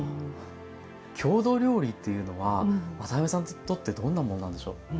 郷土料理っていうのは渡辺さんにとってどんなものなんでしょう？